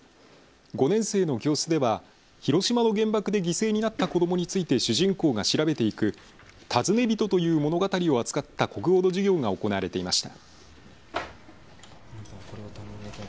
５年生の教室では広島の原爆で犠牲になった子どもについて主人公が調べていくたずねびとという物語を扱った国語の授業が行われていました。